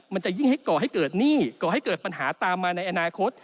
มันจะยิ่งให้ก่อให้เกิดหนี้ก่อให้เกิดปัญหาตามมาในอนาคต